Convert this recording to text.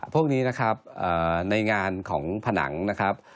พวกนี้นะครับในงานของผนังนะครับ